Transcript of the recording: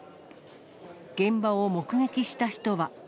現場を目撃した人は。